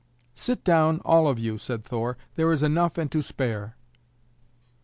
"Sit down, all of you," said Thor; "there is enough and to spare."